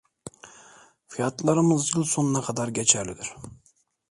Fiyatlarımız yıl sonuna kadar geçerlidir.